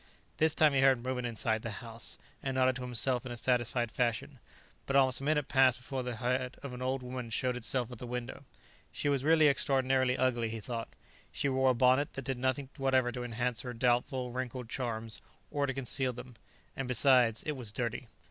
This time he heard movement inside the house, and nodded to himself in a satisfied fashion. But almost a minute passed before the head of an old woman showed itself at the window. She was really extraordinarily ugly, he thought. She wore a bonnet that did nothing whatever to enhance her doubtful, wrinkled charms, or to conceal them; and besides, it was dirty.